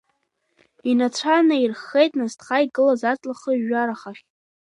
Инацәа наирххеит насҭха игылаз аҵла хыжәжәарахахь.